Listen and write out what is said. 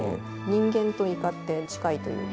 人間とイカって近いというか。